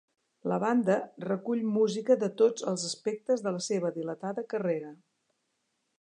La banda recull música de tots els aspectes de la seva dilatada carrera.